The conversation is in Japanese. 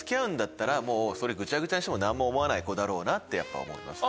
それぐちゃぐちゃにしても何も思わない子だろうなってやっぱ思いますね。